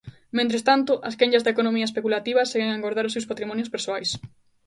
Mentres tanto, as quenllas da economía especulativa seguen a engordar os seus patrimonios persoais.